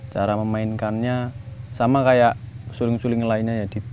cara memainkannya sama kayak suling suling lainnya ya